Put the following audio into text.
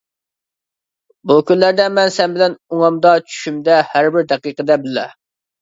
بۇ كۈنلەردە مەن سەن بىلەن ئوڭۇمدا، چۈشۈمدە، ھەر بىر دەقىقىدە بىللە.